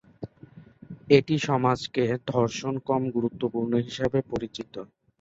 এটি সমাজকে ধর্ষণ কম গুরুত্বপূর্ণ হিসাবে পরিচিত।